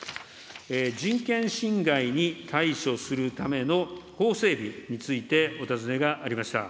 人権侵害に対処するための、法整備についてお尋ねがありました。